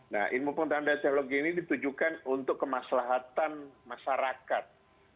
nah ilmu pengetahuan dan teknologi ini ditujukan untuk kemaslahatan masyarakat